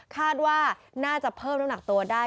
คาดว่าน่าจะเพิ่มน้ำหนักตัวได้